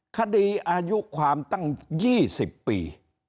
คดีอายุความตั้ง๒๐ปี